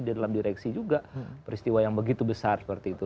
dia dalam direksi juga peristiwa yang begitu besar seperti itu